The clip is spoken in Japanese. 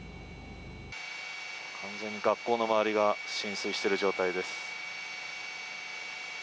完全に学校の周りが浸水している状態です。